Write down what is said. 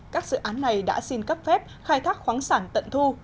các dự án này đã xin cấp phép khai thác khoáng sản tận thu